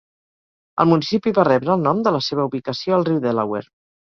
El municipi va rebre el nom de la seva ubicació al riu Delaware.